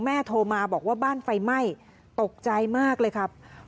โทรมาบอกว่าบ้านไฟไหม้ตกใจมากเลยครับ